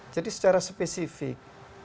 jadi secara spesifik